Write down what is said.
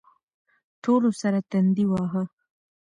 ټولو سر تندی واهه.